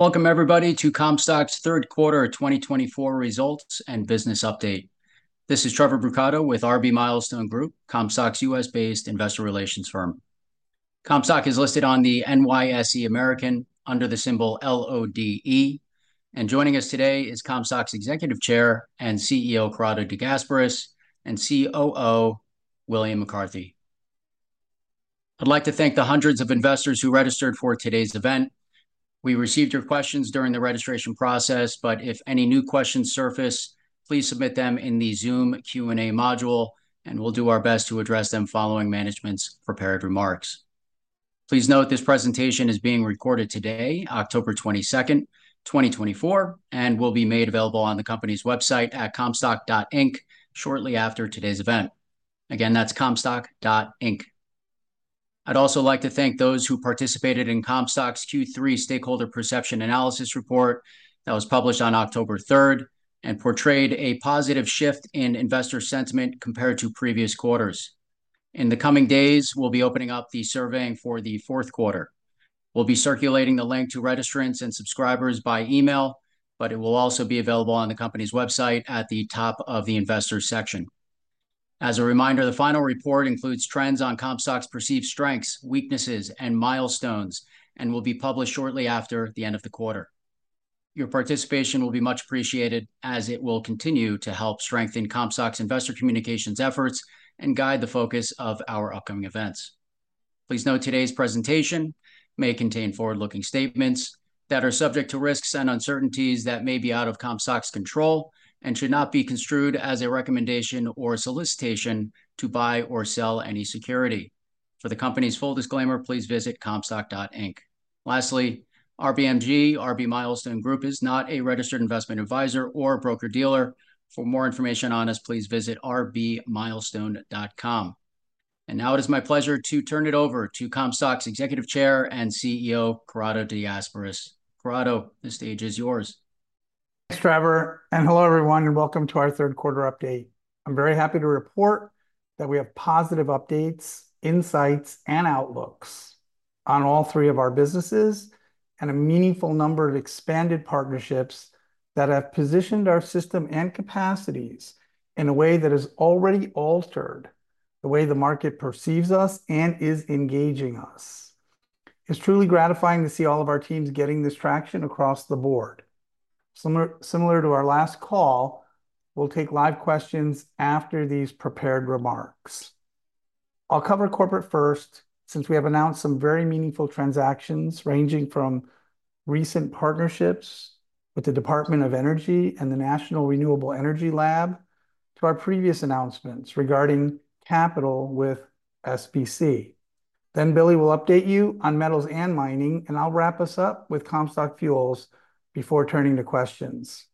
Welcome, everybody, to Comstock's Third Quarter 2024 results and business update. This is Trevor Brucato with RB Milestone Group, Comstock's U.S.-based investor relations firm. Comstock is listed on the NYSE American under the symbol LODE, and joining us today is Comstock's Executive Chair and CEO, Corrado De Gasperis, and COO, William McCarthy. I'd like to thank the hundreds of investors who registered for today's event. We received your questions during the registration process, but if any new questions surface, please submit them in the Zoom Q&A module, and we'll do our best to address them following management's prepared remarks. Please note this presentation is being recorded today, October twenty-second, twenty twenty-four, and will be made available on the company's website at comstockinc.com shortly after today's event. Again, that's comstockinc.com. I'd also like to thank those who participated in Comstock's Q3 Stakeholder Perception Analysis report that was published on October 3rd and portrayed a positive shift in investor sentiment compared to previous quarters. In the coming days, we'll be opening up the surveying for the fourth quarter. We'll be circulating the link to registrants and subscribers by email, but it will also be available on the company's website at the top of the Investors section. As a reminder, the final report includes trends on Comstock's perceived strengths, weaknesses, and milestones and will be published shortly after the end of the quarter. Your participation will be much appreciated, as it will continue to help strengthen Comstock's investor communications efforts and guide the focus of our upcoming events. Please note, today's presentation may contain forward-looking statements that are subject to risks and uncertainties that may be out of Comstock's control and should not be construed as a recommendation or solicitation to buy or sell any security. For the company's full disclaimer, please visit comstockinc.com. Lastly, RBMG, RB Milestone Group, is not a registered investment advisor or a broker-dealer. For more information on us, please visit rbmilestone.com, and now it is my pleasure to turn it over to Comstock's Executive Chair and CEO, Corrado De Gasperis. Corrado, the stage is yours. Thanks, Trevor, and hello, everyone, and welcome to our third quarter update. I'm very happy to report that we have positive updates, insights, and outlooks on all three of our businesses and a meaningful number of expanded partnerships that have positioned our system and capacities in a way that has already altered the way the market perceives us and is engaging us. It's truly gratifying to see all of our teams getting this traction across the board. Similar to our last call, we'll take live questions after these prepared remarks. I'll cover corporate first, since we have announced some very meaningful transactions, ranging from recent partnerships with the Department of Energy and the National Renewable Energy Lab to our previous announcements regarding capital with SBC. Then Billy will update you on metals and mining, and I'll wrap us up with Comstock Fuels before turning to questions.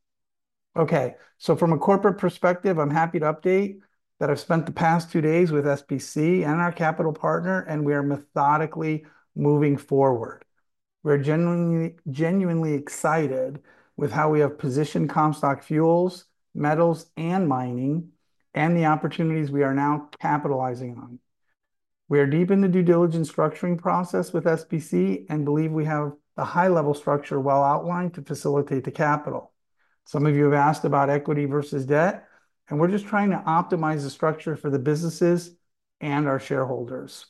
Okay, so from a corporate perspective, I'm happy to update that I've spent the past two days with SBC and our capital partner, and we are methodically moving forward. We're genuinely, genuinely excited with how we have positioned Comstock Fuels, Metals, and Mining, and the opportunities we are now capitalizing on. We are deep in the due diligence structuring process with SBC and believe we have the high-level structure well outlined to facilitate the capital. Some of you have asked about equity versus debt, and we're just trying to optimize the structure for the businesses and our shareholders.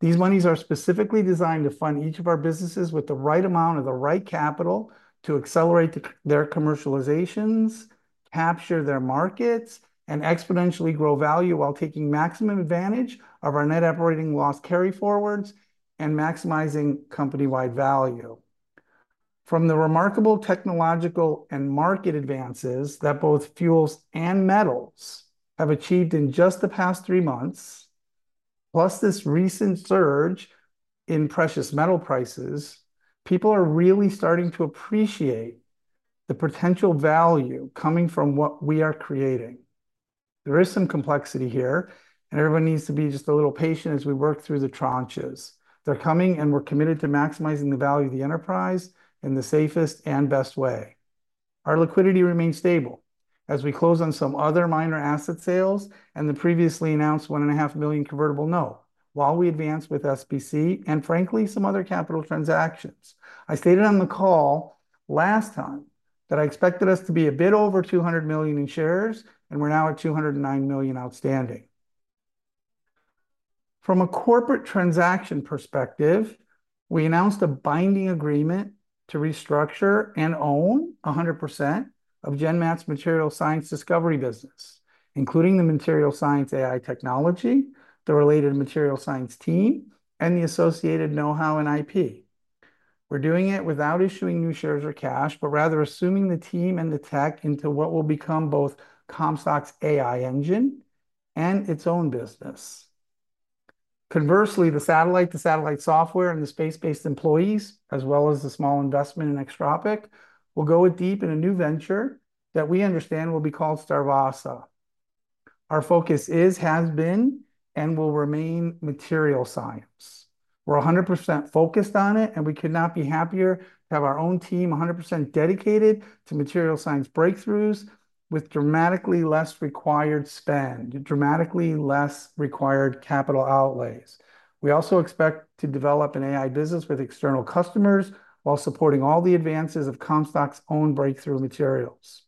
These monies are specifically designed to fund each of our businesses with the right amount of the right capital to accelerate their commercializations, capture their markets, and exponentially grow value while taking maximum advantage of our net operating loss carryforwards and maximizing company-wide value. From the remarkable technological and market advances that both Fuels and Metals have achieved in just the past three months, plus this recent surge in precious metal prices, people are really starting to appreciate the potential value coming from what we are creating. There is some complexity here, and everyone needs to be just a little patient as we work through the tranches. They're coming, and we're committed to maximizing the value of the enterprise in the safest and best way. Our liquidity remains stable as we close on some other minor asset sales and the previously announced $1.5 million convertible note while we advance with SBC and, frankly, some other capital transactions. I stated on the call last time that I expected us to be a bit over 200 million in shares, and we're now at 209 million outstanding. From a corporate transaction perspective, we announced a binding agreement to restructure and own 100% of GenMat's material science discovery business, including the material science AI technology, the related material science team, and the associated know-how and IP. We're doing it without issuing new shares or cash, but rather assuming the team and the tech into what will become both Comstock's AI engine and its own business. Conversely, the satellite-to-satellite software and the space-based employees, as well as the small investment in Extropic, will go to Deep in a new venture that we understand will be called Starvasa. Our focus is, has been, and will remain material science. We're 100% focused on it, and we could not be happier to have our own team 100% dedicated to material science breakthroughs with dramatically less required spend and dramatically less required capital outlays. We also expect to develop an AI business with external customers while supporting all the advances of Comstock's own breakthrough materials...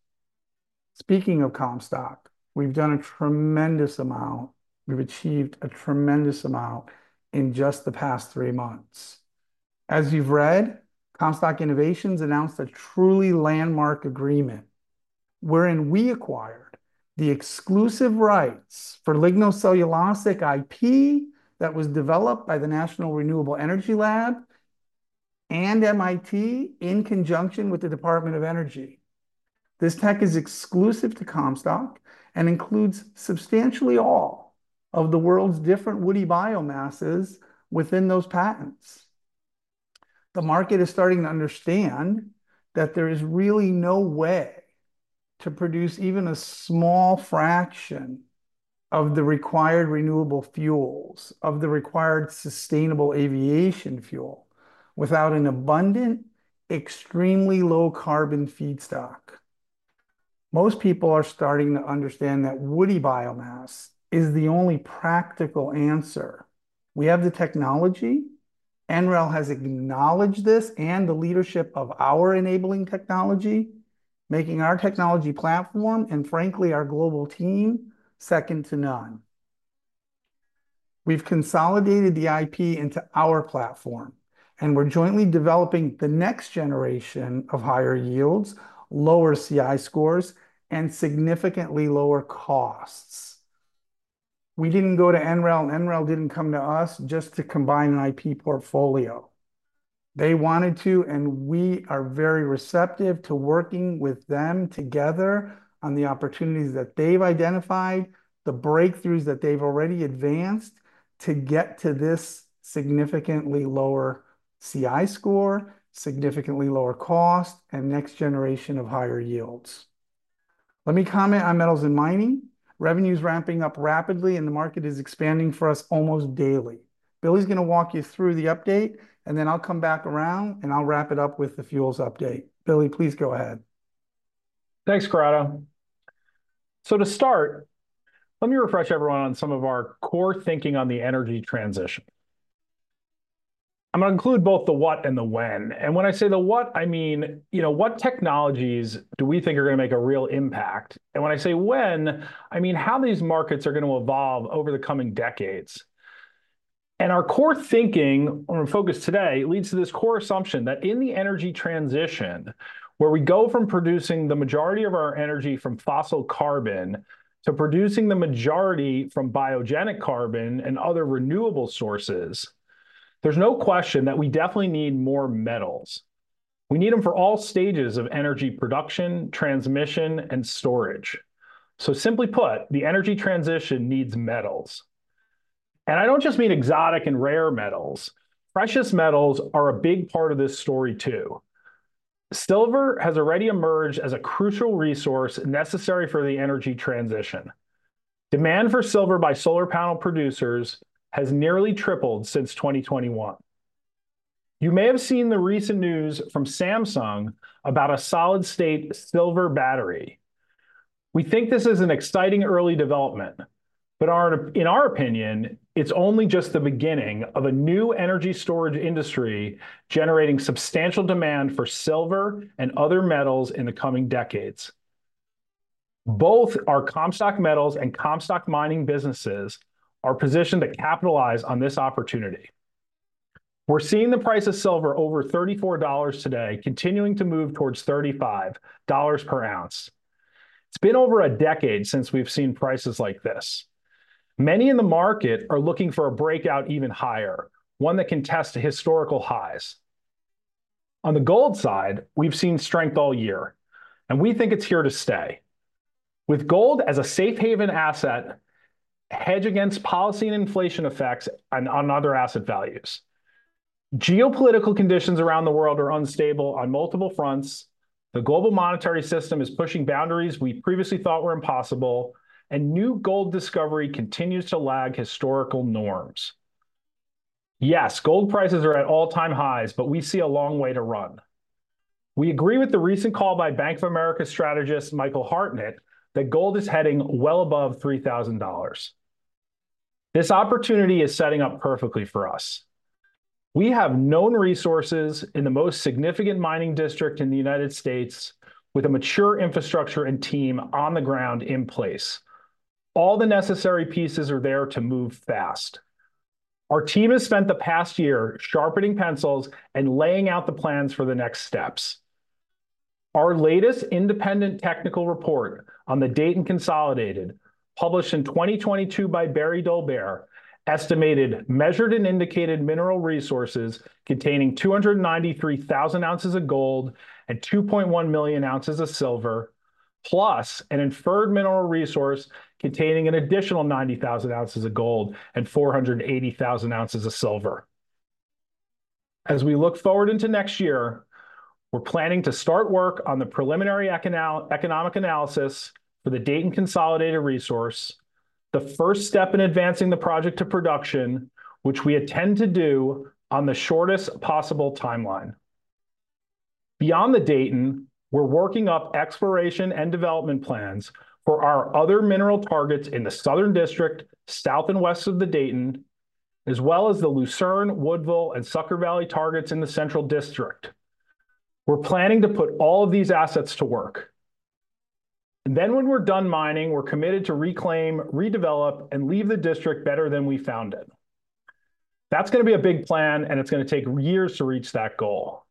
Speaking of Comstock, we've done a tremendous amount. We've achieved a tremendous amount in just the past three months. As you've read, Comstock Innovations announced a truly landmark agreement wherein we acquired the exclusive rights for lignocellulosic IP that was developed by the National Renewable Energy Lab and MIT in conjunction with the Department of Energy. This tech is exclusive to Comstock, and includes substantially all of the world's different woody biomasses within those patents. The market is starting to understand that there is really no way to produce even a small fraction of the required renewable fuels, of the required sustainable aviation fuel, without an abundant, extremely low-carbon feedstock. Most people are starting to understand that woody biomass is the only practical answer. We have the technology. NREL has acknowledged this, and the leadership of our enabling technology, making our technology platform, and frankly, our global team, second to none. We've consolidated the IP into our platform, and we're jointly developing the next generation of higher yields, lower CI scores, and significantly lower costs. We didn't go to NREL, and NREL didn't come to us just to combine an IP portfolio. They wanted to, and we are very receptive to working with them together on the opportunities that they've identified, the breakthroughs that they've already advanced, to get to this significantly lower CI score, significantly lower cost, and next generation of higher yields. Let me comment on metals and mining. Revenue's ramping up rapidly, and the market is expanding for us almost daily. Billy's gonna walk you through the update, and then I'll come back around, and I'll wrap it up with the fuels update. Billy, please go ahead. Thanks, Corrado. So to start, let me refresh everyone on some of our core thinking on the energy transition. I'm gonna include both the what and the when, and when I say the what I mean, you know, what technologies do we think are gonna make a real impact? And when I say when, I mean how these markets are gonna evolve over the coming decades. And our core thinking and focus today leads to this core assumption, that in the energy transition, where we go from producing the majority of our energy from fossil carbon to producing the majority from biogenic carbon and other renewable sources, there's no question that we definitely need more metals. We need them for all stages of energy production, transmission, and storage. So simply put, the energy transition needs metals, and I don't just mean exotic and rare metals. Precious metals are a big part of this story, too. Silver has already emerged as a crucial resource necessary for the energy transition. Demand for silver by solar panel producers has nearly tripled since 2021. You may have seen the recent news from Samsung about a solid-state silver battery. We think this is an exciting early development, but in our opinion, it's only just the beginning of a new energy storage industry, generating substantial demand for silver and other metals in the coming decades. Both our Comstock Metals and Comstock Mining businesses are positioned to capitalize on this opportunity. We're seeing the price of silver over $34 today, continuing to move towards $35 per ounce. It's been over a decade since we've seen prices like this. Many in the market are looking for a breakout even higher, one that can test historical highs. On the gold side, we've seen strength all year, and we think it's here to stay. With gold as a safe haven asset, a hedge against policy and inflation effects on other asset values. Geopolitical conditions around the world are unstable on multiple fronts. The global monetary system is pushing boundaries we previously thought were impossible, and new gold discovery continues to lag historical norms. Yes, gold prices are at all-time highs, but we see a long way to run. We agree with the recent call by Bank of America strategist, Michael Hartnett, that gold is heading well above $3,000. This opportunity is setting up perfectly for us. We have known resources in the most significant mining district in the United States, with a mature infrastructure and team on the ground in place. All the necessary pieces are there to move fast. Our team has spent the past year sharpening pencils and laying out the plans for the next steps. Our latest independent technical report on the Dayton Consolidated, published in 2022 by Behre Dolbear, estimated, measured, and indicated mineral resources containing 293,000 ounces of gold and 2.1 million ounces of silver, plus an inferred mineral resource containing an additional 90,000 ounces of gold and 480,000 ounces of silver. As we look forward into next year, we're planning to start work on the preliminary economic analysis for the Dayton Consolidated resource, the first step in advancing the project to production, which we intend to do on the shortest possible timeline. Beyond the Dayton, we're working up exploration and development plans for our other mineral targets in the southern district, south and west of the Dayton. as well as the Lucerne, Woodville, and Succor Valley targets in the Central District. We're planning to put all of these assets to work, and then when we're done mining, we're committed to reclaim, redevelop, and leave the district better than we found it. That's gonna be a big plan, and it's gonna take years to reach that goal.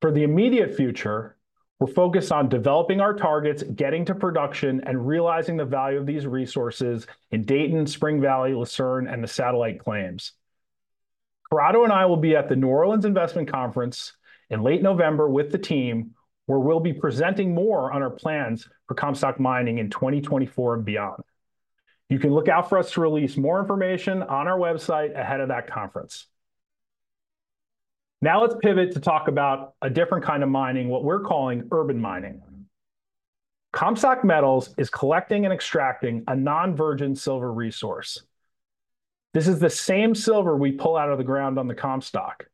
For the immediate future, we're focused on developing our targets, getting to production, and realizing the value of these resources in Dayton, Spring Valley, Lucerne, and the satellite claims. Corrado and I will be at the New Orleans Investment Conference in late November with the team, where we'll be presenting more on our plans for Comstock Mining in 2024 and beyond. You can look out for us to release more information on our website ahead of that conference. Now, let's pivot to talk about a different kind of mining, what we're calling urban mining. Comstock Metals is collecting and extracting a non-virgin silver resource. This is the same silver we pull out of the ground on the Comstock.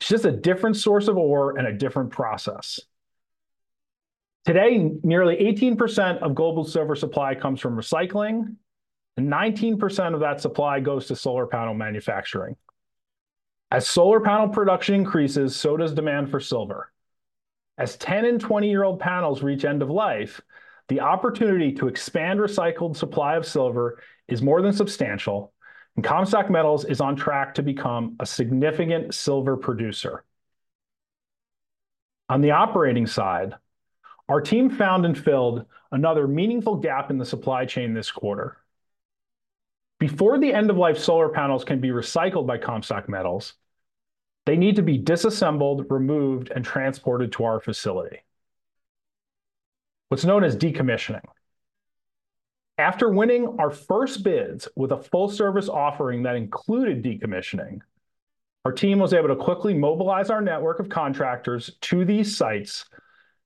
It's just a different source of ore and a different process. Today, nearly 18% of global silver supply comes from recycling, and 19% of that supply goes to solar panel manufacturing. As solar panel production increases, so does demand for silver. As 10 and 20-year-old panels reach end of life, the opportunity to expand recycled supply of silver is more than substantial, and Comstock Metals is on track to become a significant silver producer. On the operating side, our team found and filled another meaningful gap in the supply chain this quarter. Before the end-of-life solar panels can be recycled by Comstock Metals, they need to be disassembled, removed, and transported to our facility, what's known as decommissioning. After winning our first bids with a full-service offering that included decommissioning, our team was able to quickly mobilize our network of contractors to these sites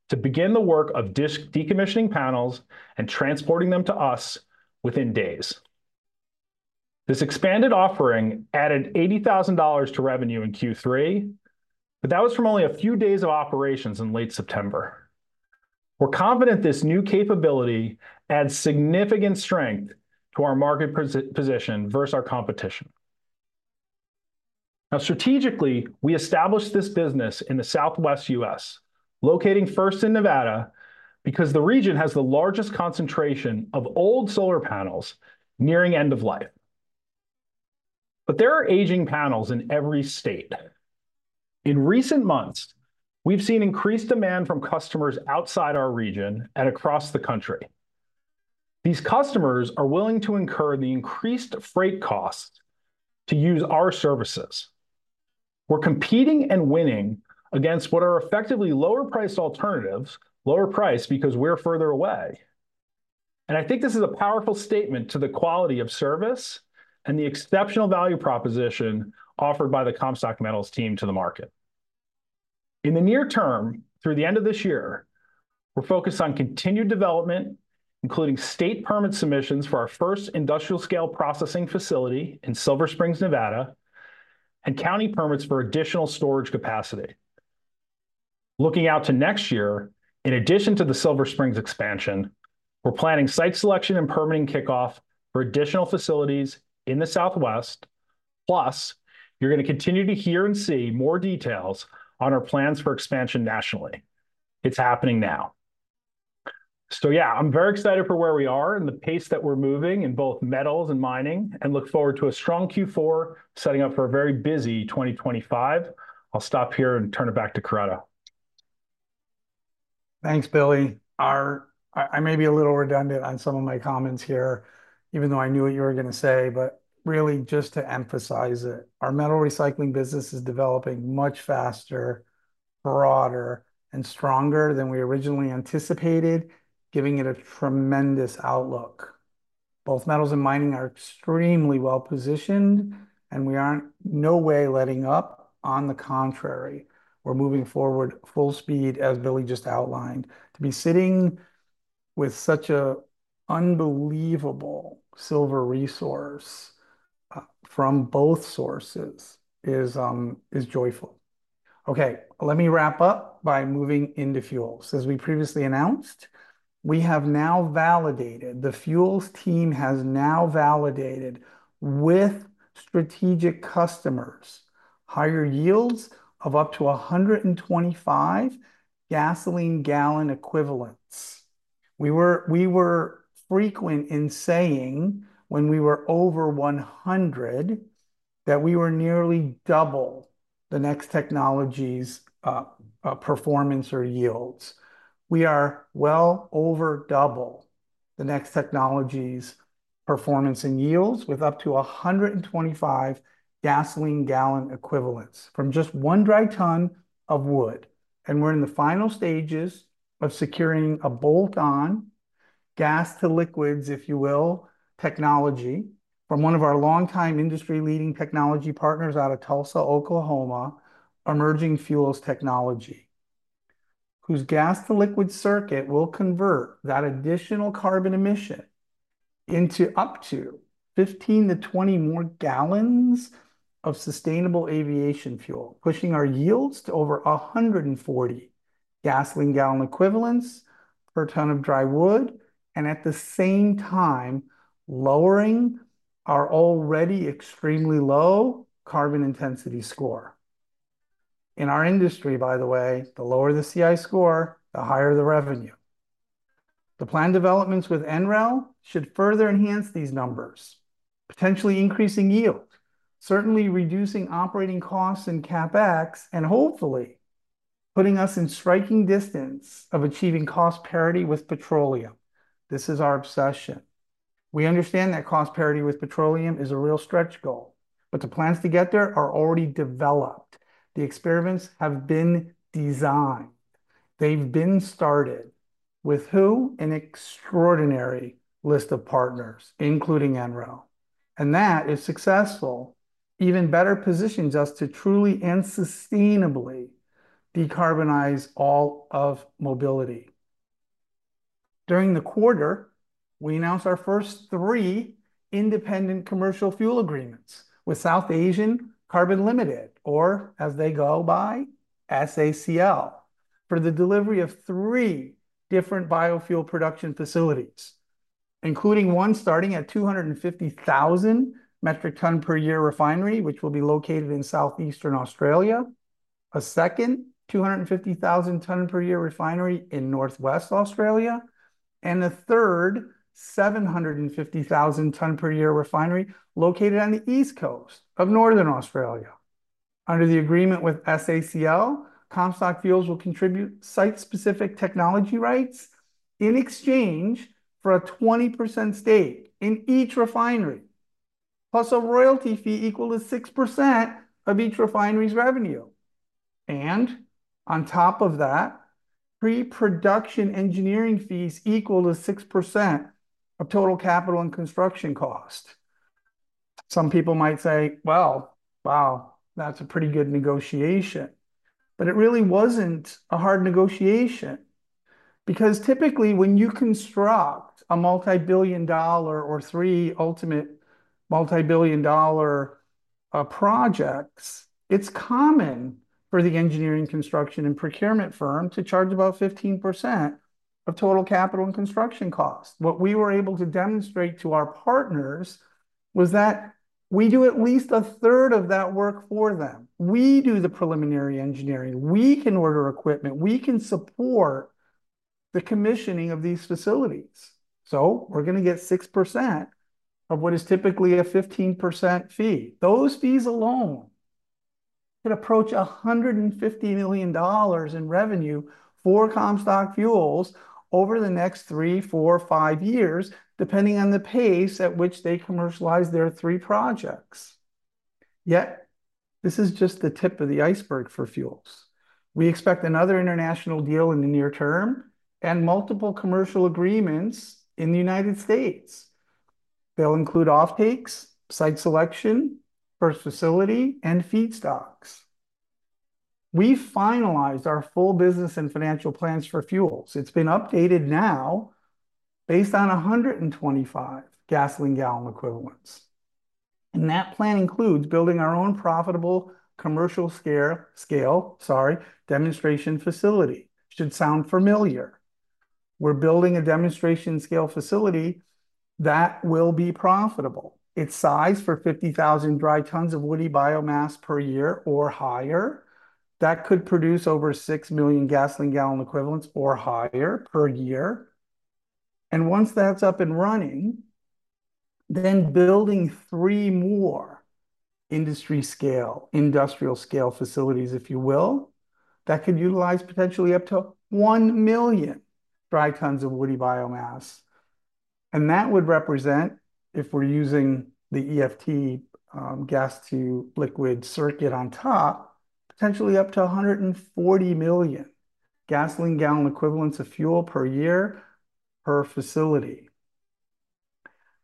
to begin the work of decommissioning panels and transporting them to us within days. This expanded offering added $80,000 to revenue in Q3, but that was from only a few days of operations in late September. We're confident this new capability adds significant strength to our market position versus our competition. Now, strategically, we established this business in the Southwest U.S., locating first in Nevada because the region has the largest concentration of old solar panels nearing end of life, but there are aging panels in every state. In recent months, we've seen increased demand from customers outside our region and across the country. These customers are willing to incur the increased freight costs to use our services. We're competing and winning against what are effectively lower-priced alternatives, lower priced because we're further away, and I think this is a powerful statement to the quality of service and the exceptional value proposition offered by the Comstock Metals team to the market. In the near term, through the end of this year, we're focused on continued development, including state permit submissions for our first industrial-scale processing facility in Silver Springs, Nevada, and county permits for additional storage capacity. Looking out to next year, in addition to the Silver Springs expansion, we're planning site selection and permitting kickoff for additional facilities in the Southwest. Plus, you're gonna continue to hear and see more details on our plans for expansion nationally. It's happening now. So yeah, I'm very excited for where we are and the pace that we're moving in both metals and mining, and look forward to a strong Q4, setting up for a very busy 2025. I'll stop here and turn it back to Corrado. Thanks, Billy. I may be a little redundant on some of my comments here, even though I knew what you were gonna say, but really just to emphasize it, our metal recycling business is developing much faster, broader, and stronger than we originally anticipated, giving it a tremendous outlook. Both metals and mining are extremely well-positioned, and we aren't no way letting up. On the contrary, we're moving forward full speed, as Billy just outlined. To be sitting with such a unbelievable silver resource from both sources is joyful. Okay, let me wrap up by moving into fuels. As we previously announced, the fuels team has now validated, with strategic customers, higher yields of up to 125 gasoline gallon equivalents. We were frequent in saying when we were over 100, that we were nearly double the next technology's performance or yields. We are well over double the next technology's performance and yields, with up to 125 gasoline gallon equivalents from just one dry ton of wood, and we're in the final stages of securing a bolt-on gas-to-liquids, if you will, technology from one of our longtime industry-leading technology partners out of Tulsa, Oklahoma, Emerging Fuels Technology, whose gas to liquid circuit will convert that additional carbon emission into up to 15-20 more gallons of sustainable aviation fuel, pushing our yields to over 140 gasoline gallon equivalents per ton of dry wood, and at the same time, lowering our already extremely low carbon intensity score. In our industry, by the way, the lower the CI score, the higher the revenue. The planned developments with NREL should further enhance these numbers, potentially increasing yield, certainly reducing operating costs and CapEx, and hopefully putting us in striking distance of achieving cost parity with petroleum. This is our obsession. We understand that cost parity with petroleum is a real stretch goal, but the plans to get there are already developed. The experiments have been designed. They've been started. With who? An extraordinary list of partners, including NREL, and that, if successful, even better positions us to truly and sustainably decarbonize all of mobility. During the quarter, we announced our first three independent commercial fuel agreements with South Australian Carbon Limited, or as they go by, SACL, for the delivery of three different biofuel production facilities, including one starting at 250,000 metric ton per year refinery, which will be located in southeastern Australia, a second 250,000 ton per year refinery in northwest Australia, and a third 750,000 ton per year refinery located on the east coast of northern Australia. Under the agreement with SACL, Comstock Fuels will contribute site-specific technology rights in exchange for a 20% stake in each refinery, plus a royalty fee equal to 6% of each refinery's revenue, and on top of that, pre-production engineering fees equal to 6% of total capital and construction cost. Some people might say, "Well, wow, that's a pretty good negotiation." But it really wasn't a hard negotiation, because typically, when you construct a multi-billion-dollar or three ultimate multi-billion-dollar projects, it's common for the engineering, construction, and procurement firm to charge about 15% of total capital and construction cost. What we were able to demonstrate to our partners was that we do at least a third of that work for them. We do the preliminary engineering. We can order equipment. We can support the commissioning of these facilities. So we're gonna get 6% of what is typically a 15% fee. Those fees alone could approach $150 million in revenue for Comstock Fuels over the next three, four, five years, depending on the pace at which they commercialize their three projects. Yet, this is just the tip of the iceberg for fuels. We expect another international deal in the near term and multiple commercial agreements in the United States. They'll include offtakes, site selection, first facility, and feedstocks. We finalized our full business and financial plans for fuels. It's been updated now based on 125 gasoline gallon equivalents, and that plan includes building our own profitable commercial scale demonstration facility. Should sound familiar. We're building a demonstration scale facility that will be profitable. It's sized for 50,000 dry tons of woody biomass per year or higher. That could produce over 6 million gasoline gallon equivalents or higher per year. And once that's up and running, then building three more industrial-scale facilities, if you will, that could utilize potentially up to 1 million dry tons of woody biomass, and that would represent, if we're using the EFT gas-to-liquids circuit on top, potentially up to 140 million gasoline gallon equivalents of fuel per year per facility.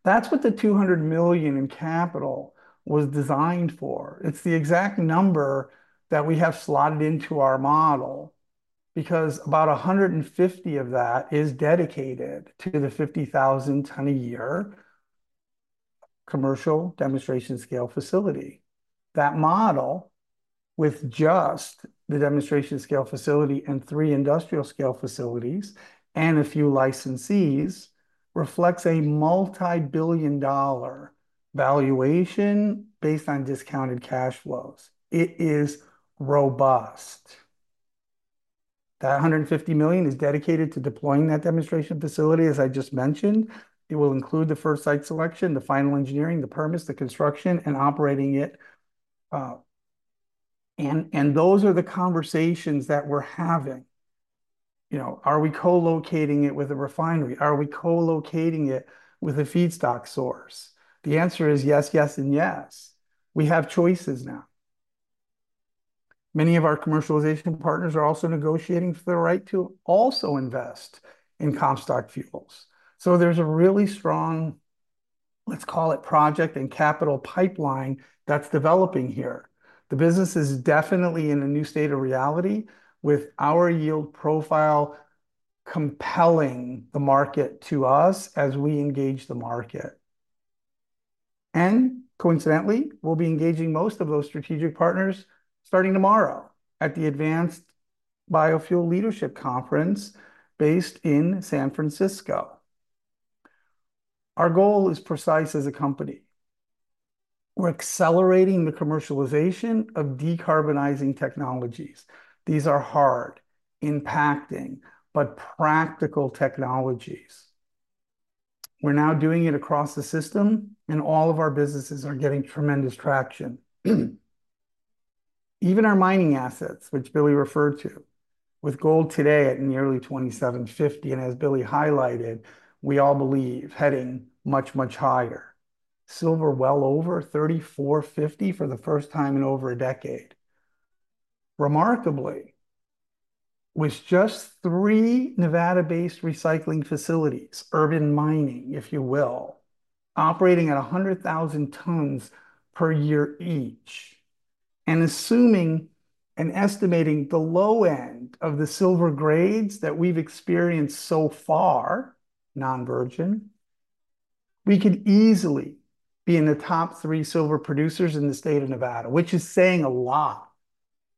That's what the $200 million in capital was designed for. It's the exact number that we have slotted into our model, because about $150 million of that is dedicated to the 50,000-ton-a-year commercial demonstration-scale facility. That model, with just the demonstration-scale facility and three industrial-scale facilities and a few licensees, reflects a multi-billion-dollar valuation based on discounted cash flows. It is robust. That $150 million is dedicated to deploying that demonstration facility, as I just mentioned. It will include the first site selection, the final engineering, the permits, the construction, and operating it, and those are the conversations that we're having. You know, are we co-locating it with a refinery? Are we co-locating it with a feedstock source? The answer is yes, yes, and yes. We have choices now. Many of our commercialization partners are also negotiating for the right to also invest in Comstock Fuels. So there's a really strong, let's call it, project and capital pipeline that's developing here. The business is definitely in a new state of reality, with our yield profile compelling the market to us as we engage the market, and coincidentally, we'll be engaging most of those strategic partners starting tomorrow at the Advanced Biofuel Leadership Conference based in San Francisco. Our goal is precise as a company. We're accelerating the commercialization of decarbonizing technologies. These are hard, impacting, but practical technologies. We're now doing it across the system, and all of our businesses are getting tremendous traction. Even our mining assets, which Billy referred to, with gold today at nearly $2,750, and as Billy highlighted, we all believe heading much, much higher. Silver well over $34.50 for the first time in over a decade. Remarkably, with just three Nevada-based recycling facilities, urban mining, if you will, operating at 100,000 tons per year each, and assuming and estimating the low end of the silver grades that we've experienced so far, non-virgin, we could easily be in the top three silver producers in the state of Nevada, which is saying a lot.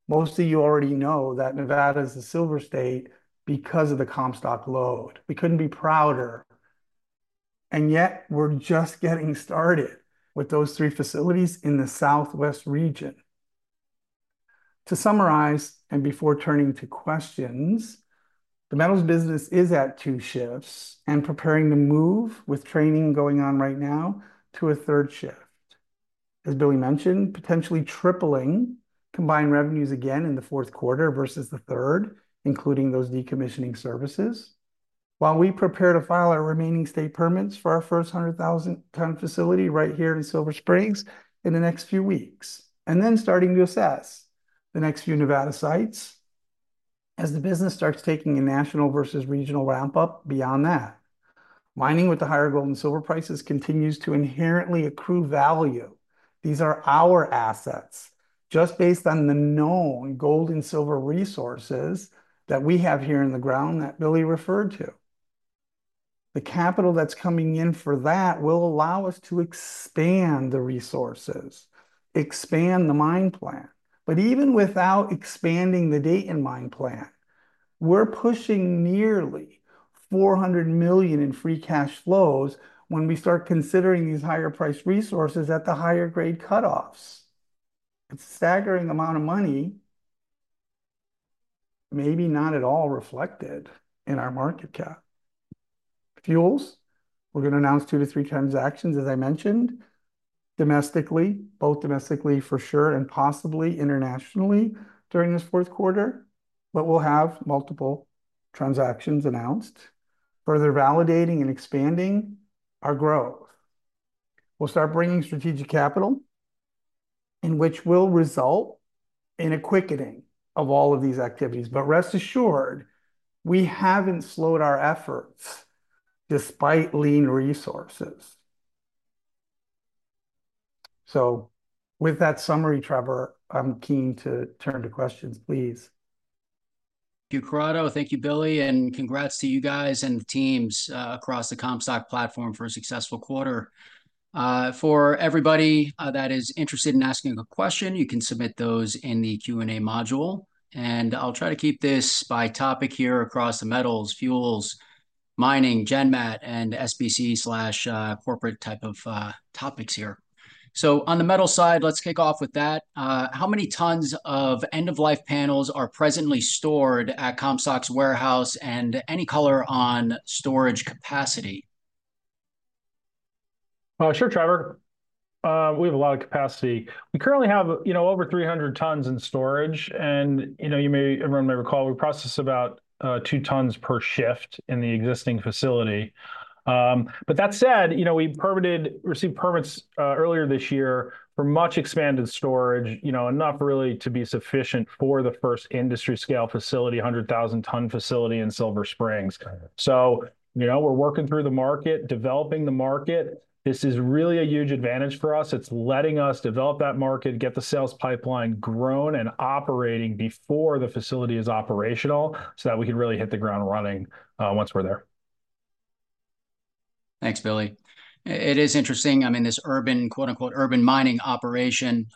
Most of you already know that Nevada is the Silver State because of the Comstock Lode. We couldn't be prouder, and yet we're just getting started with those three facilities in the Southwest region. To summarize, and before turning to questions, the metals business is at two shifts and preparing to move, with training going on right now, to a third shift. As Billy mentioned, potentially tripling combined revenues again in the fourth quarter versus the third, including those decommissioning services, while we prepare to file our remaining state permits for our first 100,000-ton facility right here in Silver Springs in the next few weeks, and then starting to assess the next few Nevada sites as the business starts taking a national versus regional ramp-up beyond that. Mining with the higher gold and silver prices continues to inherently accrue value. These are our assets, just based on the known gold and silver resources that we have here in the ground that Billy referred to. The capital that's coming in for that will allow us to expand the resources, expand the mine plan. But even without expanding the Dayton mine plan, we're pushing nearly $400 million in free cash flows when we start considering these higher-priced resources at the higher grade cutoffs. It's a staggering amount of money, maybe not at all reflected in our market cap. Fuels, we're gonna announce 2-3 transactions, as I mentioned, domestically, both domestically for sure, and possibly internationally during this fourth quarter. But we'll have multiple transactions announced, further validating and expanding our growth. We'll start bringing strategic capital, and which will result in a quickening of all of these activities. But rest assured, we haven't slowed our efforts despite lean resources. So with that summary, Trevor, I'm keen to turn to questions, please. Thank you, Corrado. Thank you, Billy, and congrats to you guys and the teams across the Comstock platform for a successful quarter. For everybody that is interested in asking a question, you can submit those in the Q&A module, and I'll try to keep this by topic here across the metals, fuels, mining, GenMat, and SBC slash corporate type of topics here, so on the metal side, let's kick off with that. How many tons of end-of-life panels are presently stored at Comstock's warehouse? And any color on storage capacity? Sure, Trevor. We have a lot of capacity. We currently have, you know, over 300 tons in storage. And, you know, everyone may recall, we process about two tons per shift in the existing facility. But that said, you know, we received permits earlier this year for much expanded storage, you know, enough really to be sufficient for the first industrial-scale facility, 100,000-ton facility in Silver Springs. So, you know, we're working through the market, developing the market. This is really a huge advantage for us. It's letting us develop that market, get the sales pipeline grown and operating before the facility is operational, so that we can really hit the ground running once we're there. Thanks, Billy. It is interesting, I mean, this urban, quote, unquote, "urban mining operation,"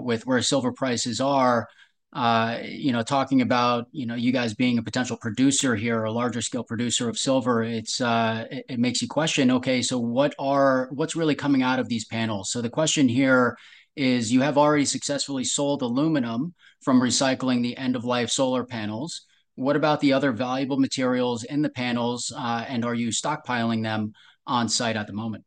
with where silver prices are, you know, talking about, you know, you guys being a potential producer here or a larger-scale producer of silver, it's... it makes you question, okay, so what's really coming out of these panels? So the question here is: You have already successfully sold aluminum from recycling the end-of-life solar panels. What about the other valuable materials in the panels, and are you stockpiling them on-site at the moment?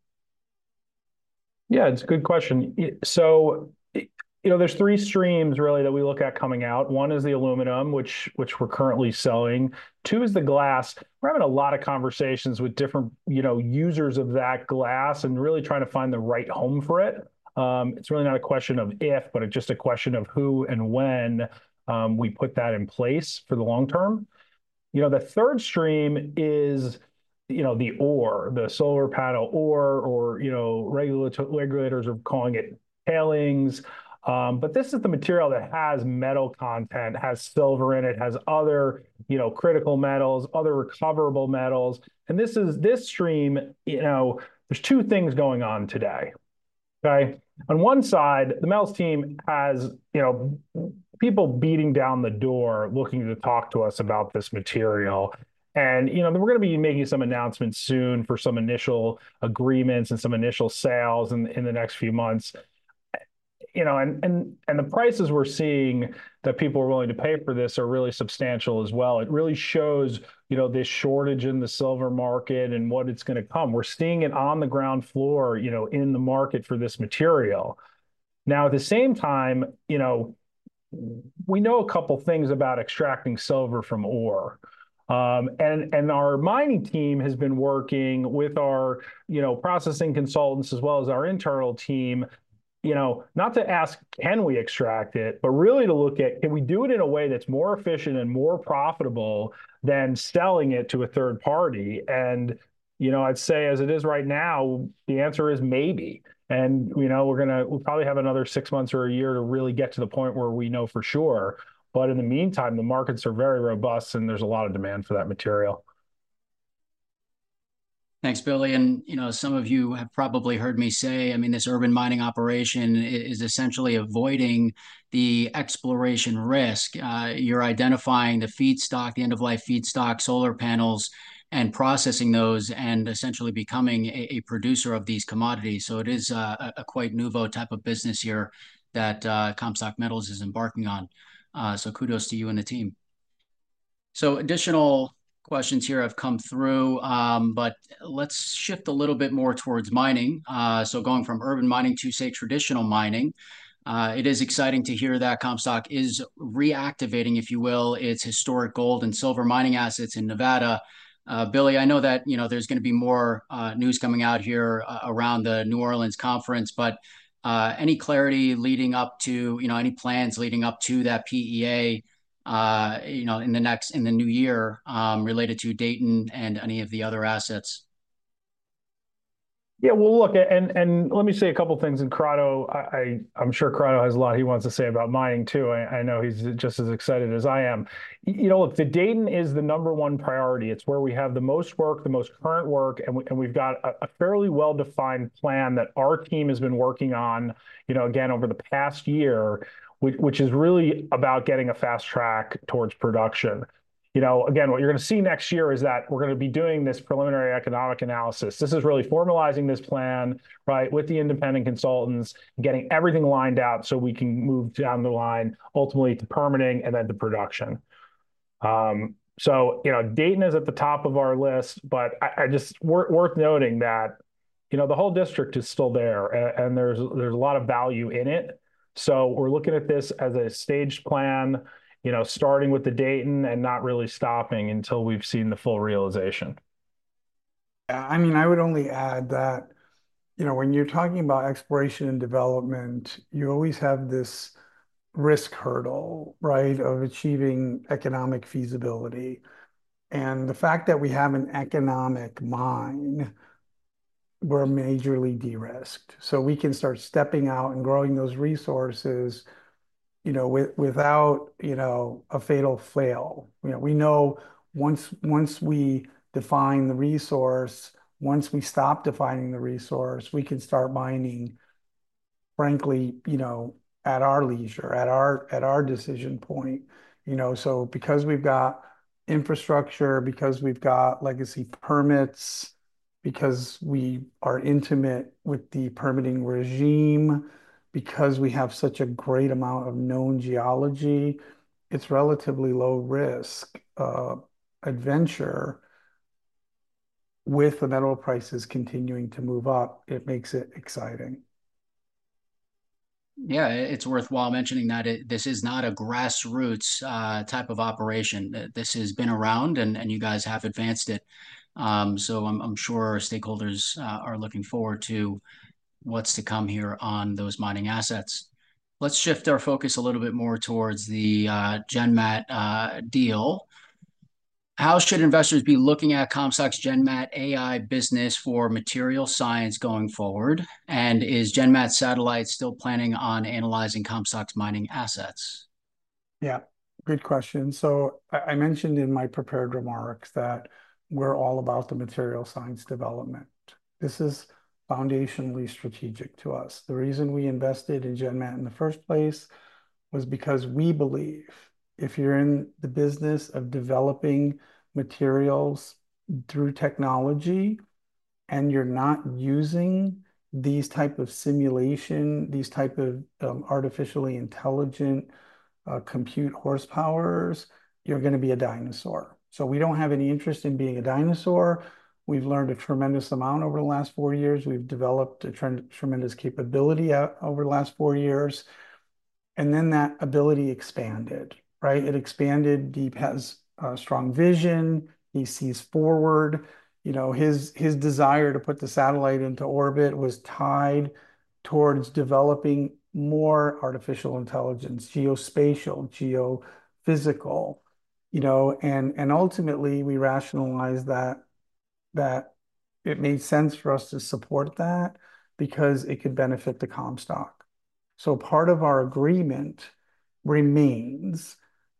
Yeah, it's a good question. So, you know, there's three streams really that we look at coming out. One is the aluminum, which we're currently selling. Two is the glass. We're having a lot of conversations with different, you know, users of that glass and really trying to find the right home for it. It's really not a question of if, but just a question of who and when we put that in place for the long term. You know, the third stream is, you know, the ore, the solar panel ore, or, you know, regulators are calling it tailings. But this is the material that has metal content, has silver in it, has other, you know, critical metals, other recoverable metals. And this is this stream, you know, there's two things going on today.... Okay, on one side, the metals team has, you know, people beating down the door, looking to talk to us about this material. And, you know, we're gonna be making some announcements soon for some initial agreements and some initial sales in the next few months. You know, and the prices we're seeing that people are willing to pay for this are really substantial as well. It really shows, you know, this shortage in the silver market and what it's gonna come. We're seeing it on the ground floor, you know, in the market for this material. Now, at the same time, you know, we know a couple things about extracting silver from ore. And our mining team has been working with our, you know, processing consultants, as well as our internal team, you know, not to ask, "Can we extract it?" but really to look at, "Can we do it in a way that's more efficient and more profitable than selling it to a third party?" And, you know, I'd say as it is right now, the answer is maybe. And, you know, we'll probably have another six months or a year to really get to the point where we know for sure. But in the meantime, the markets are very robust, and there's a lot of demand for that material. Thanks, Billy, and, you know, some of you have probably heard me say, I mean, this urban mining operation is essentially avoiding the exploration risk. You're identifying the feedstock, the end-of-life feedstock, solar panels, and processing those, and essentially becoming a quite nouveau type of business here that Comstock Metals is embarking on. So kudos to you and the team. So additional questions here have come through, but let's shift a little bit more towards mining. So going from urban mining to, say, traditional mining, it is exciting to hear that Comstock is reactivating, if you will, its historic gold and silver mining assets in Nevada. Billy, I know that, you know, there's gonna be more news coming out here around the New Orleans conference, but any clarity leading up to, you know, any plans leading up to that PEA, you know, in the new year, related to Dayton and any of the other assets? Yeah, well, look, and let me say a couple things, and Corrado, I'm sure Corrado has a lot he wants to say about mining, too. I know he's just as excited as I am. You know, look, the Dayton is the number one priority. It's where we have the most work, the most current work, and we've got a fairly well-defined plan that our team has been working on, you know, again, over the past year, which is really about getting a fast track towards production. You know, again, what you're gonna see next year is that we're gonna be doing this preliminary economic analysis. This is really formalizing this plan, right, with the independent consultants, and getting everything lined out, so we can move down the line, ultimately to permitting and then to production. So, you know, Dayton is at the top of our list, but worth noting that, you know, the whole district is still there, and there's a lot of value in it, so we're looking at this as a staged plan, you know, starting with the Dayton and not really stopping until we've seen the full realization. I mean, I would only add that, you know, when you're talking about exploration and development, you always have this risk hurdle, right, of achieving economic feasibility. And the fact that we have an economic mine, we're majorly de-risked, so we can start stepping out and growing those resources, you know, without, you know, a fatal fail. You know, we know once we define the resource, we can start mining, frankly, you know, at our leisure, at our decision point, you know? So because we've got infrastructure, because we've got legacy permits, because we are intimate with the permitting regime, because we have such a great amount of known geology, it's relatively low risk adventure. With the metal prices continuing to move up, it makes it exciting. Yeah, it's worthwhile mentioning that it, this is not a grassroots type of operation. That this has been around, and you guys have advanced it. So I'm sure stakeholders are looking forward to what's to come here on those mining assets. Let's shift our focus a little bit more towards the GenMat deal. How should investors be looking at Comstock's GenMat AI business for material science going forward? And is GenMat Satellites still planning on analyzing Comstock's mining assets? Yeah, good question. So I mentioned in my prepared remarks that we're all about the material science development. This is foundationally strategic to us. The reason we invested in GenMat in the first place was because we believe if you're in the business of developing materials through technology, and you're not using these type of simulation, these type of, artificially intelligent, compute horsepowers, you're gonna be a dinosaur. So we don't have any interest in being a dinosaur. We've learned a tremendous amount over the last four years. We've developed a tremendous capability over the last four years, and then that ability expanded, right? It expanded. Deep has strong vision. He sees forward. You know, his desire to put the satellite into orbit was tied towards developing more artificial intelligence, geospatial, geophysical, you know, and ultimately, we rationalized that it made sense for us to support that because it could benefit the Comstock.... So part of our agreement remains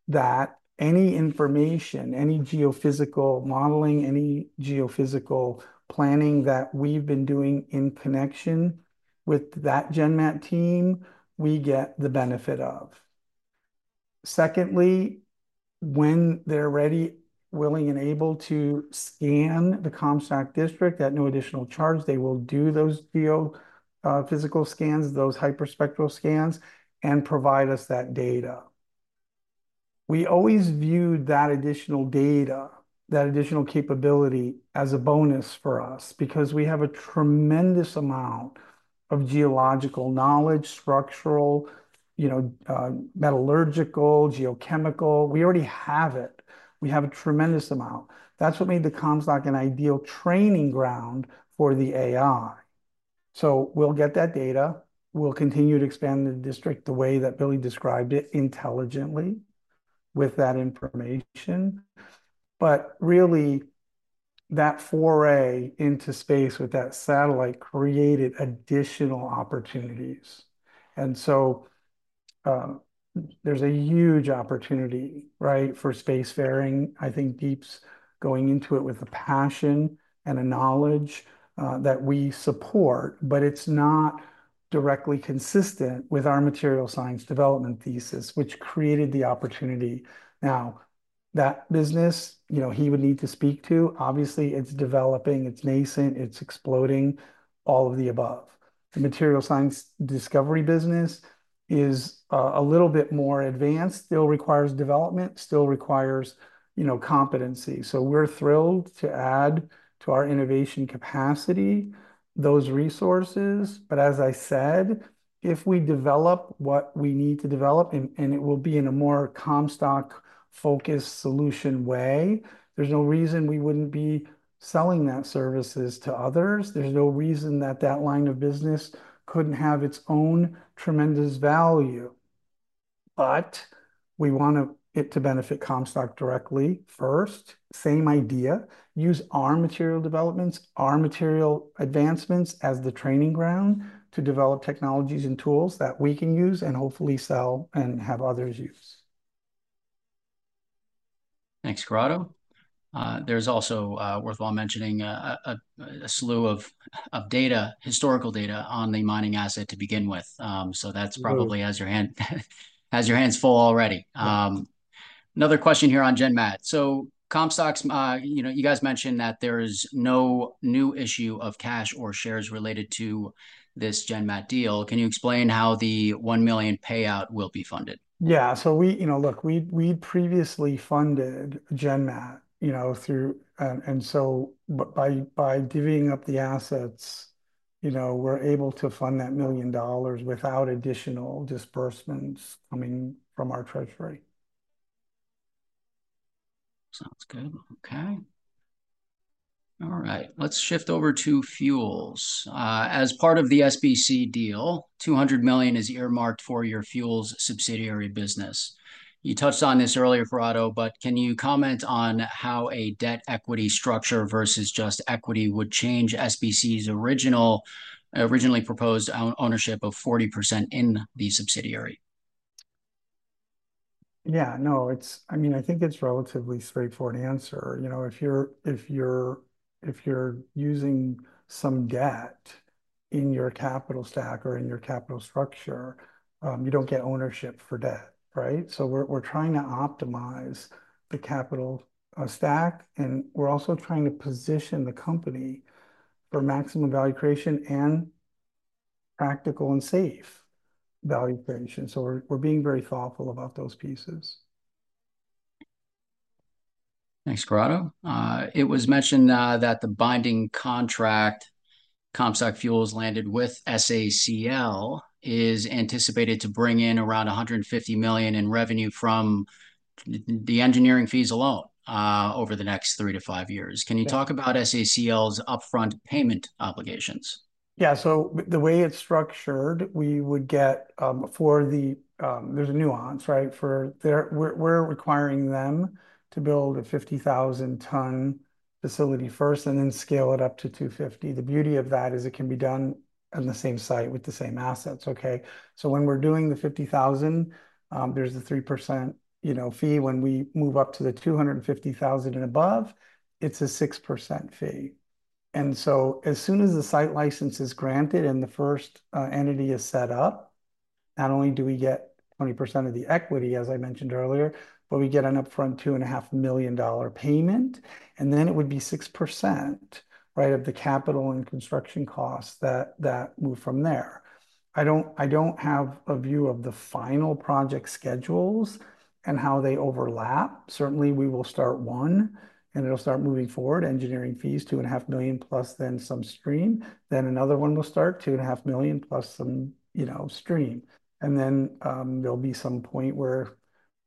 that any information, any geophysical modeling, any geophysical planning that we've been doing in connection with that GenMat team, we get the benefit of. Secondly, when they're ready, willing, and able to scan the Comstock district at no additional charge, they will do those geophysical scans, those hyperspectral scans, and provide us that data. We always viewed that additional data, that additional capability, as a bonus for us, because we have a tremendous amount of geological knowledge, structural, you know, metallurgical, geochemical. We already have it. We have a tremendous amount. That's what made the Comstock an ideal training ground for the AI. So we'll get that data. We'll continue to expand the district the way that Billy described it, intelligently, with that information. But really, that foray into space with that satellite created additional opportunities, and so, there's a huge opportunity, right, for spacefaring. I think Deep's going into it with a passion and a knowledge that we support, but it's not directly consistent with our material science development thesis, which created the opportunity. Now, that business, you know, he would need to speak to. Obviously, it's developing, it's nascent, it's exploding, all of the above. The material science discovery business is a little bit more advanced, still requires development, still requires, you know, competency. So we're thrilled to add to our innovation capacity, those resources. But as I said, if we develop what we need to develop, and it will be in a more Comstock-focused solution way, there's no reason we wouldn't be selling that services to others. There's no reason that line of business couldn't have its own tremendous value, but we want it to benefit Comstock directly first. Same idea, use our material developments, our material advancements, as the training ground to develop technologies and tools that we can use and hopefully sell and have others use. Thanks, Corrado. There's also worthwhile mentioning a slew of data, historical data on the mining asset to begin with. So that's probably- Mm-hmm... has your hands full already. Yeah. Another question here on GenMat. So Comstock's, you know, you guys mentioned that there's no new issue of cash or shares related to this GenMat deal. Can you explain how the $1 million payout will be funded? Yeah, so we, you know, look, we previously funded GenMat, you know, through... And so by divvying up the assets, you know, we're able to fund that $1 million without additional disbursements coming from our treasury. Sounds good. Okay. All right, let's shift over to fuels. As part of the SBC deal, $200 million is earmarked for your fuels subsidiary business. You touched on this earlier, Corrado, but can you comment on how a debt equity structure versus just equity would change SBC's originally proposed ownership of 40% in the subsidiary? Yeah, no, it's I mean, I think it's a relatively straightforward answer. You know, if you're using some debt in your capital stack or in your capital structure, you don't get ownership for debt, right? So we're trying to optimize the capital stack, and we're also trying to position the company for maximum value creation and practical and safe value creation, so we're being very thoughtful about those pieces. Thanks, Corrado. It was mentioned that the binding contract Comstock Fuels landed with SACL is anticipated to bring in around $150 million in revenue from the engineering fees alone, over the next 3-5 years. Yeah. Can you talk about SACL's upfront payment obligations? Yeah, so the way it's structured, we would get for the... There's a nuance, right? For, we're requiring them to build a 50,000-ton facility first, and then scale it up to 250. The beauty of that is it can be done on the same site with the same assets, okay? So when we're doing the 50,000, there's a 3%, you know, fee. When we move up to the 250,000 and above, it's a 6% fee. And so as soon as the site license is granted and the first entity is set up, not only do we get 20% of the equity, as I mentioned earlier, but we get an upfront $2.5 million payment, and then it would be 6%, right, of the capital and construction costs that move from there. I don't have a view of the final project schedules and how they overlap. Certainly, we will start one, and it'll start moving forward, engineering fees, $2.5 million plus then some stream. Then another one will start, $2.5 million+ some, you know, stream. And then, there'll be some point where,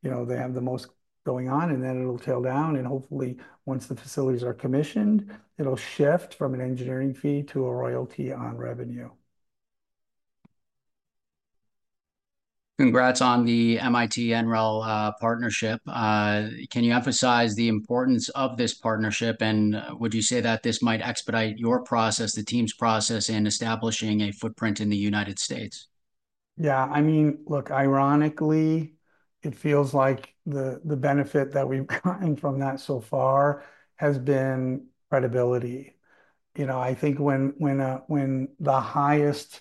you know, they have the most going on, and then it'll tail down, and hopefully, once the facilities are commissioned, it'll shift from an engineering fee to a royalty on revenue. ...Congrats on the MIT-NREL partnership. Can you emphasize the importance of this partnership, and would you say that this might expedite your process, the team's process, in establishing a footprint in the United States? Yeah, I mean, look, ironically, it feels like the, the benefit that we've gotten from that so far has been credibility. You know, I think when the highest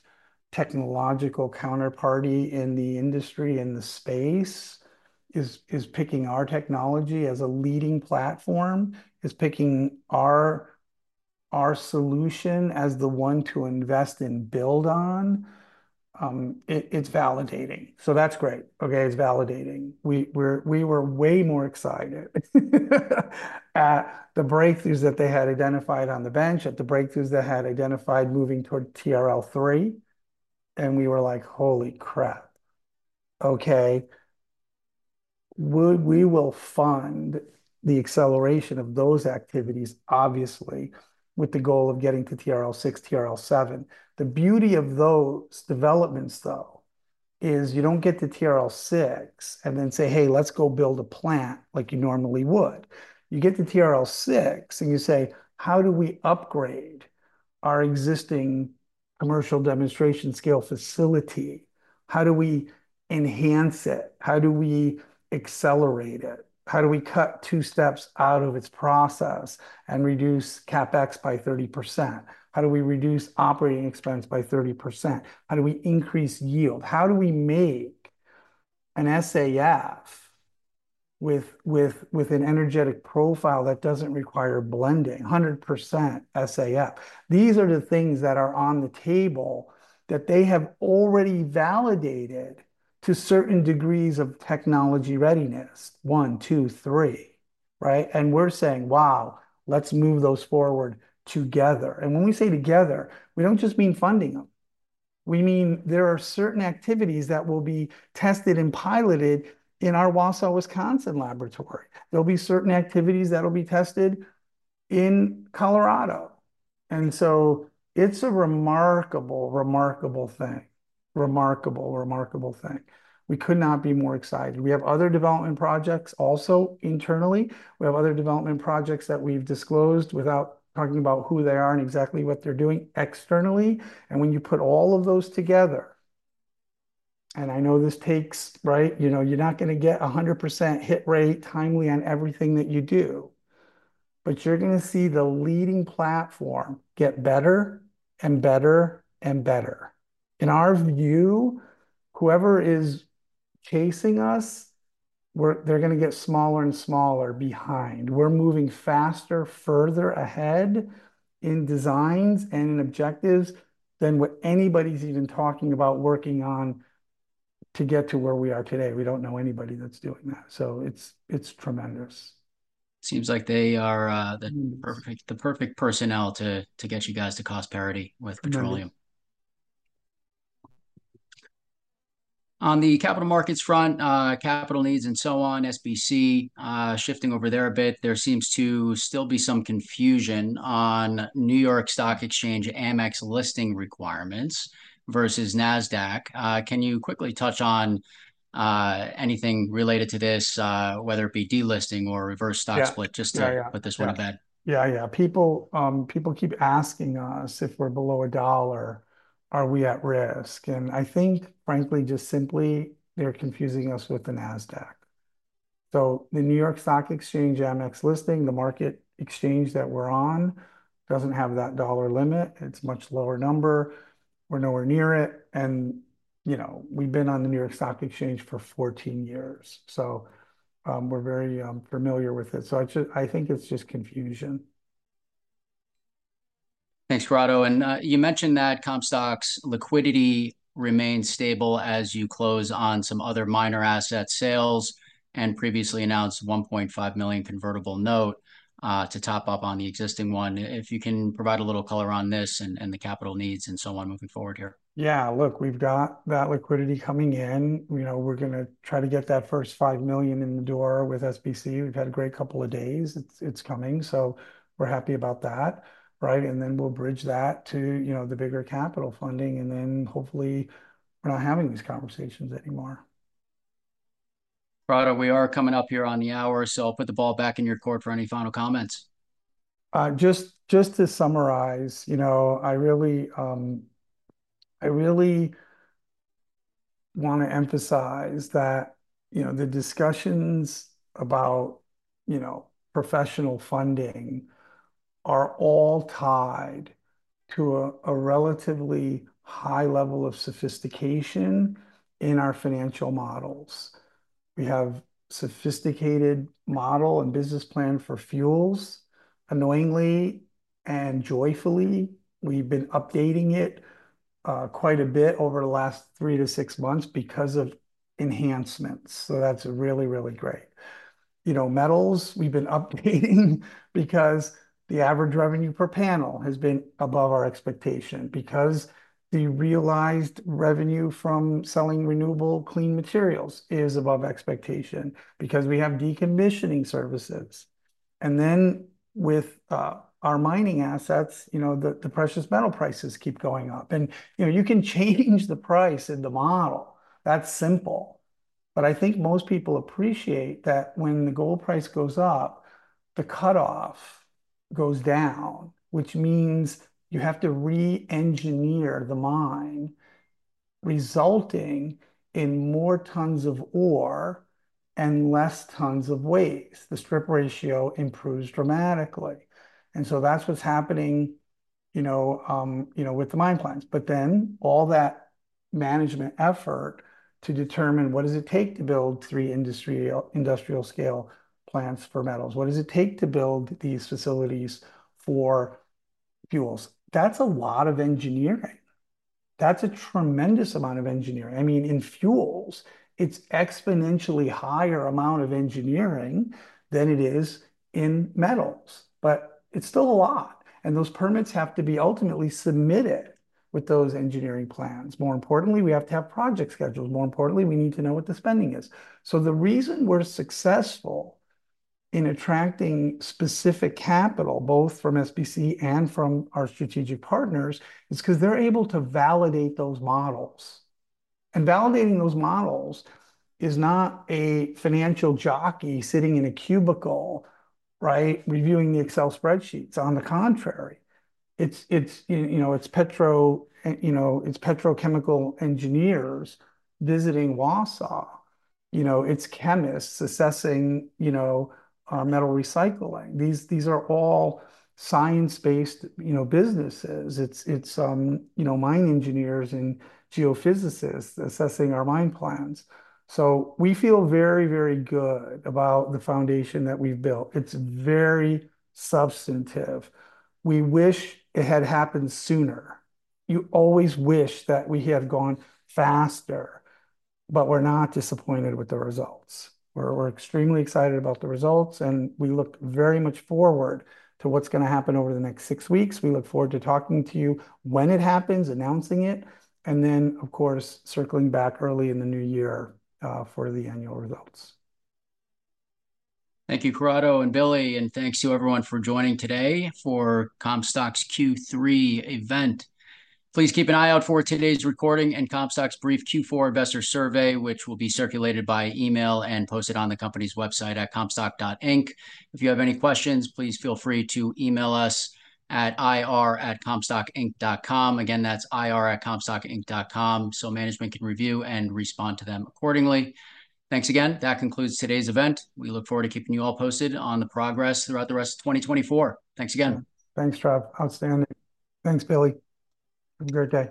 technological counterparty in the industry, in the space, is picking our technology as a leading platform, picking our solution as the one to invest and build on, it's validating. So that's great, okay? It's validating. We were way more excited at the breakthroughs that they had identified on the bench, at the breakthroughs they had identified moving toward TRL 3, and we were like: "Holy crap! Okay, we will fund the acceleration of those activities, obviously, with the goal of getting to TRL 6, TRL 7. The beauty of those developments, though, is you don't get to TRL 6 and then say: "Hey, let's go build a plant," like you normally would. You get to TRL 6 and you say: "How do we upgrade our existing commercial demonstration scale facility? How do we enhance it? How do we accelerate it? How do we cut two steps out of its process and reduce CapEx by 30%? How do we reduce operating expense by 30%? How do we increase yield? How do we make an SAF with an energetic profile that doesn't require blending, 100% SAF?" These are the things that are on the table that they have already validated to certain degrees of technology readiness, one, two, three, right? And we're saying: "Wow, let's move those forward together." And when we say together, we don't just mean funding them. We mean there are certain activities that will be tested and piloted in our Wausau, Wisconsin laboratory. There'll be certain activities that'll be tested in Colorado. And so it's a remarkable, remarkable thing. Remarkable, remarkable thing. We could not be more excited. We have other development projects also internally. We have other development projects that we've disclosed, without talking about who they are and exactly what they're doing, externally. And when you put all of those together... And I know this takes... Right? You know, you're not gonna get 100% hit rate timely on everything that you do, but you're gonna see the leading platform get better and better and better. In our view, whoever is chasing us, we're- they're gonna get smaller and smaller behind. We're moving faster, further ahead in designs and in objectives than what anybody's even talking about working on to get to where we are today. We don't know anybody that's doing that, so it's, it's tremendous. Seems like they are the perfect personnel to get you guys to cost parity with petroleum. Mm-hmm. On the capital markets front, capital needs and so on, SBC, shifting over there a bit, there seems to still be some confusion on NYSE American listing requirements versus Nasdaq. Can you quickly touch on anything related to this, whether it be delisting or a reverse stock split- Yeah... just to put this to bed? Yeah, yeah. People, people keep asking us, if we're below a dollar, are we at risk? And I think, frankly, just simply they're confusing us with the Nasdaq. So the New York Stock Exchange AMEX listing, the Market Exchange that we're on, doesn't have that dollar limit. It's a much lower number. We're nowhere near it, and, you know, we've been on the New York Stock Exchange for 14 years, so, we're very, familiar with it. So it's just. I think it's just confusion. Thanks, Corrado, and you mentioned that Comstock liquidity remains stable as you close on some other minor asset sales, and previously announced $1.5 million convertible note to top up on the existing one. If you can provide a little color on this, and the capital needs and so on moving forward here. Yeah. Look, we've got that liquidity coming in. You know, we're gonna try to get that first $5 million in the door with SBC. We've had a great couple of days. It's coming, so we're happy about that, right? And then we'll bridge that to, you know, the bigger capital funding, and then hopefully we're not having these conversations anymore. Corrado, we are coming up here on the hour, so I'll put the ball back in your court for any final comments. Just to summarize, you know, I really, I really want to emphasize that, you know, the discussions about, you know, professional funding are all tied to a relatively high level of sophistication in our financial models. We have sophisticated model and business plan for fuels. Annoyingly and joyfully, we've been updating it quite a bit over the last 3-6 months because of enhancements, so that's really, really great. You know, metals, we've been updating because the average revenue per panel has been above our expectation, because the realized revenue from selling renewable clean materials is above expectation, because we have decommissioning services... and then with our mining assets, you know, the precious metal prices keep going up. You know, you can change the price in the model. That's simple. But I think most people appreciate that when the gold price goes up, the cutoff goes down, which means you have to re-engineer the mine, resulting in more tons of ore and less tons of waste. The strip ratio improves dramatically, and so that's what's happening, you know, you know, with the mine plans. But then all that management effort to determine what does it take to build three industrial-scale plants for metals? What does it take to build these facilities for fuels? That's a lot of engineering. That's a tremendous amount of engineering. I mean, in fuels, it's exponentially higher amount of engineering than it is in metals, but it's still a lot, and those permits have to be ultimately submitted with those engineering plans. More importantly, we have to have project schedules. More importantly, we need to know what the spending is. So the reason we're successful in attracting specific capital, both from SBC and from our strategic partners, is 'cause they're able to validate those models, and validating those models is not a financial jockey sitting in a cubicle, right, reviewing the Excel spreadsheets. On the contrary, it's you know, it's petrochemical engineers visiting Wausau. You know, it's chemists assessing, you know, our metal recycling. These are all science-based, you know, businesses. It's you know, mine engineers and geophysicists assessing our mine plans. So we feel very, very good about the foundation that we've built. It's very substantive. We wish it had happened sooner. You always wish that we had gone faster, but we're not disappointed with the results. We're extremely excited about the results, and we look very much forward to what's going to happen over the next six weeks. We look forward to talking to you when it happens, announcing it, and then, of course, circling back early in the new year for the annual results. Thank you, Corrado and Billy, and thanks to everyone for joining today for Comstock's Q3 event. Please keep an eye out for today's recording and Comstock's brief Q4 investor survey, which will be circulated by email and posted on the company's website at comstockinc.com. If you have any questions, please feel free to email us at ir@comstockinc.com. Again, that's ir@comstockinc.com, so management can review and respond to them accordingly. Thanks again. That concludes today's event. We look forward to keeping you all posted on the progress throughout the rest of 2024. Thanks again. Thanks, Trev. Outstanding. Thanks, Billy. Have a great day.